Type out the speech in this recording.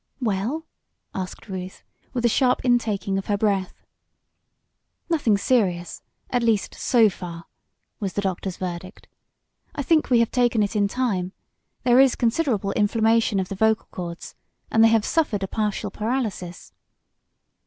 "Well?" asked Ruth, with a sharp intaking of her breath. "Nothing serious at least, so far," was the doctor's verdict. "I think we have taken it in time. There is considerable inflammation of the vocal chords, and they have suffered a partial paralysis."